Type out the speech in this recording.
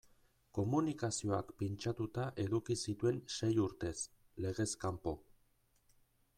Komunikazioak pintxatuta eduki zituen sei urtez, legez kanpo.